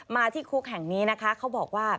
ที่คุกแห่งนี้นะคะเขาบอกว่า